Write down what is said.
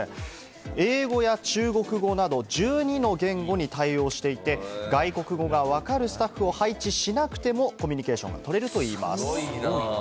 英語や中国語など、１２の言語に対応していて、外国語が分かるスタッフを配置しなくてもコミュニケーションが取れるといいます。